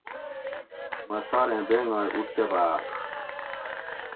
مہ ساریں بینگائ اوٹکہ بھاڛ